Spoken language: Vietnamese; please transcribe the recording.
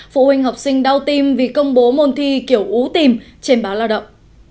phụ huynh học sinh đau tim vì công bố môn thi kiểu ú tìm trên báo lao động